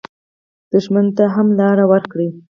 دښمن ته هم لار ورکړئ